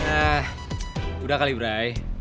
eh udah kali brai